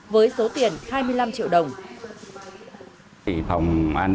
với số tiền hai mươi năm triệu đồng